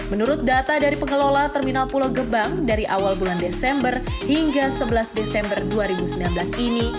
menurut data dari pengelola terminal pulau gebang dari awal bulan desember hingga sebelas desember dua ribu sembilan belas ini